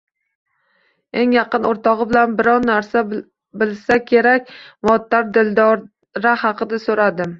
Eng yaqin oʻrtogʻi biror narsa bilsa kerak deb, Muattardan Dildora haqida soʻradim.